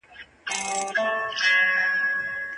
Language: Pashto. موږ د اوږده اتڼ لپاره ډوډۍ نه ده راوړې.